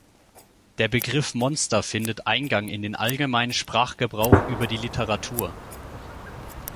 Der Begriff Monster findet Eingang in den allgemeinen Sprachgebrauch über die Literatur.